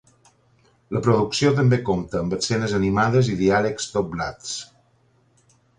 La producció també compta amb escenes animades i diàlegs doblats.